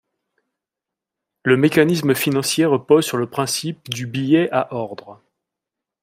Le mécanisme financier repose sur le principe du billet à ordre.